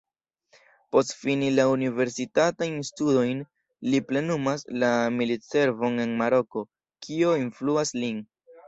Post fini la universitatajn studojn, li plenumas la militservon en Maroko, kio influas lin.